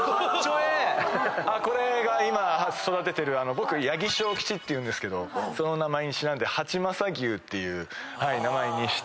僕八木将吉っていうんですけどその名前にちなんで八将牛っていう名前にして。